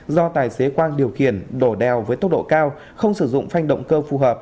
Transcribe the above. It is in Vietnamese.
do tài xế quang điều khiển đổ đèo với tốc độ cao không sử dụng phanh động cơ phù hợp